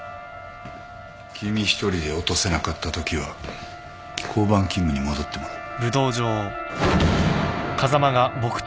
君一人で落とせなかったときは交番勤務に戻ってもらう。